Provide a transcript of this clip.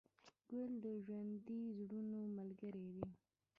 ګل د ژوندي زړونو ملګری دی.